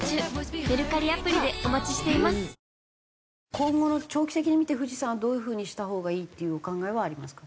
今後の長期的に見て富士山をどういう風にしたほうがいいっていうお考えはありますか？